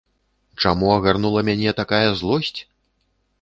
Чаму агарнула мяне такая злосць?